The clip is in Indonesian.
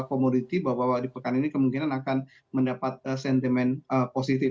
komoditi bahwa di pekan ini kemungkinan akan mendapat sentimen positif